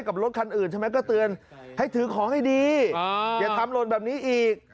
รถคันอื่นใช่ไหมก็เตือนให้ถือของให้ดีอย่าทำหล่นแบบนี้อีก